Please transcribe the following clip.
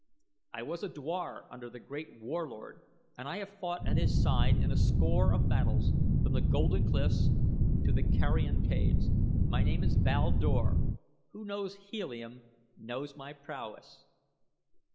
"I was a dwar under the great Warlord, and I have fought at his side in a score of battles from The Golden Cliffs to The Carrion Caves. My name is Val Dor. Who knows Helium, knows my prowess."